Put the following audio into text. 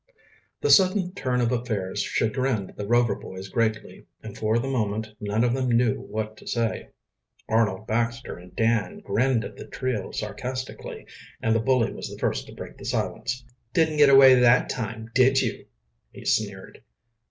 The sudden turn of affairs chagrined the Rover boys greatly, and for the moment none of them knew what to say. Arnold Baxter and Dan grinned at the trio sarcastically, and the bully was the first to break the silence. "Didn't get away that time, did you?" he sneered.